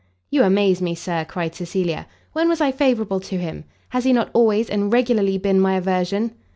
"You amaze me, Sir!" cried Cecilia: "when was I favourable to him? Has he not always and regularly been my aversion?"